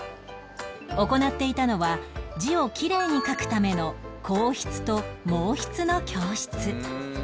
行っていたのは字をきれいに書くための硬筆と毛筆の教室